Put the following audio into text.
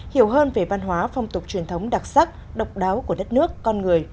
hiểu hơn về văn hóa phong tục truyền thống đặc sắc độc đáo của đất nước con người